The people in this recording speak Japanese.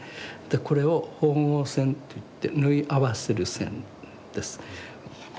これを縫合線といって縫い合わせる線です。